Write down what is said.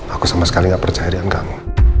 aku sama sekali gak percaya dengan kamu